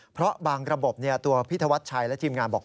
เพราะบางระบบตัวพี่ธวัชชัยและทีมงานบอก